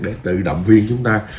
để tự động viên chúng ta